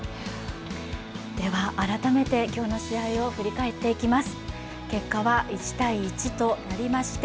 では改めて今日の試合を振り返っていきます。